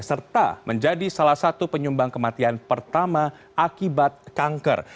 serta menjadi salah satu penyumbang kematian pertama akibat kanker